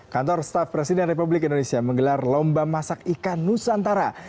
kantor staff presiden republik indonesia menggelar lomba masak ikan nusantara